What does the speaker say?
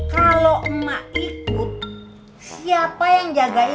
kalau emma ikut siapa yang jagain dia